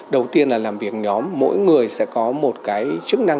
đầu tiên là làm việc nhóm mỗi người sẽ có một cái chức năng